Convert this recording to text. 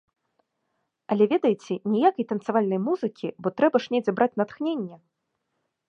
Але, ведаеце, ніякай танцавальнай музыкі, бо трэба ж недзе браць натхненне!